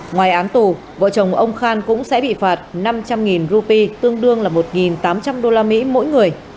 ngoài án tù vợ chồng ông khan cũng sẽ bị phạt năm trăm linh rupee tương đương là một tám trăm linh usd mỗi người